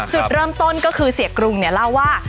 จุดเริ่มต้นก็คือเสียกรุงเนี่ยเล่าว่า